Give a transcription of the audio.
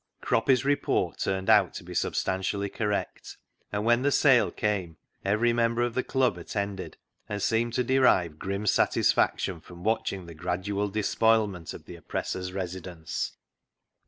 Croppy's report turned out to be substan tially correct, and when the sale came every member of the Club attended, and seemed to derive grim satisfaction from watching the gradual despoilment of the oppressor's residence.